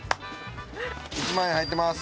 １万円入ってます。